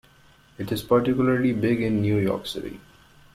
It is particularly big in New York City.